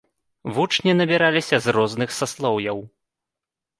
Вучні набіраліся з розных саслоўяў.